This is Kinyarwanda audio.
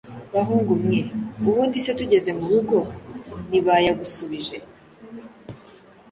Bahungu mwe! Ubundi se tugeze mu rugo ntibayagusubije?